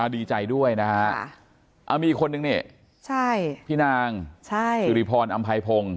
ดีใจด้วยนะฮะมีอีกคนนึงนี่พี่นางสุริพรอำไพพงศ์